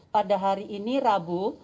pada hari ini rabu